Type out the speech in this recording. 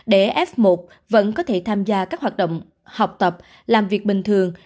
để f một vẫn có thể tham gia các hoạt động học tập làm việc bình thường